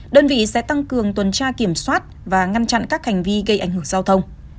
đơn vị sẽ tăng cường tuần tra kiểm soát và ngăn chặn các hành vi gây ảnh hưởng giao thông